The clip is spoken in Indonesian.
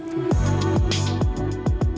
nah kita akan lihat